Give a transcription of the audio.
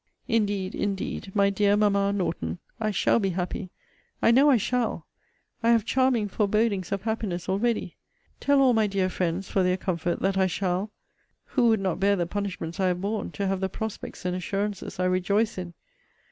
Indeed, indeed, my dear Mamma Norton, I shall be happy! I know I shall! I have charming forebodings of happiness already! Tell all my dear friends, for their comfort, that I shall! Who would not bear the punishments I have borne, to have the prospects and assurances I rejoice in!